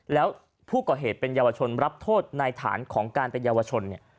แล้วผู้ก่อเหตุเป็นเยาวชนรับโทษในฐานของการเป็นเยาวชนเนี่ย